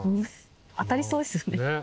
当たりそうですよね。